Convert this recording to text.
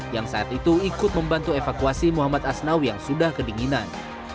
yang saat itu ikut membantu evakuasi muhammad asnawi yang sudah kedinginan